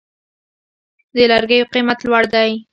د لرګیو قیمت لوړ دی؟